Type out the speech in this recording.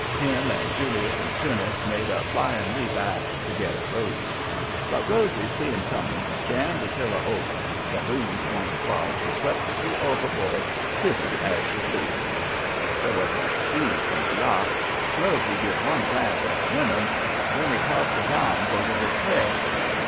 "Him and Julius and Teunis made a flying leap aft to get at Rosy. But Rosy see 'em coming, jammed the tiller over, the boom swung across and swept the three overboard pretty as you please. "There was a scream from the yacht. Rosy give one glance at the women. Then he tossed his arms over his head.